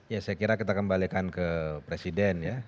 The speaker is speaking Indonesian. ya saya kira kita kembalikan ke presiden ya